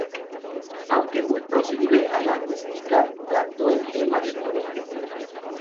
Aunque muy proclive a la mística, trató el tema de modo objetivo.